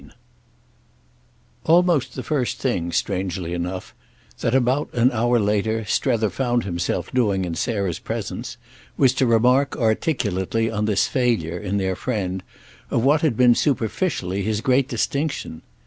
III Almost the first thing, strangely enough, that, about an hour later, Strether found himself doing in Sarah's presence was to remark articulately on this failure, in their friend, of what had been superficially his great distinction.